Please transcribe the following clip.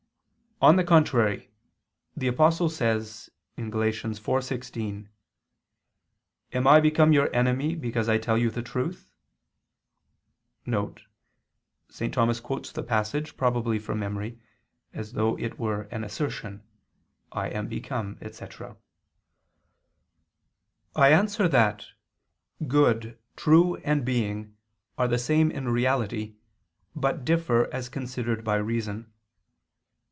On the contrary, The Apostle says (Gal. 4:16): "Am I become your enemy because I tell you the truth?" [*St. Thomas quotes the passage, probably from memory, as though it were an assertion: "I am become," etc.] I answer that, Good, true and being are the same in reality, but differ as considered by reason.